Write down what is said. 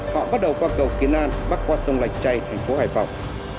họ bắt đầu qua cầu kiến an bắc qua sông lạch chay thành phố hải phòng